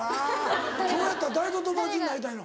今日やったら誰と友達になりたいの？